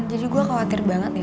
jadi gue khawatir banget sama dia